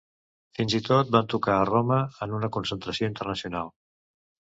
Fins i tot van tocar a Roma, en una concentració internacional.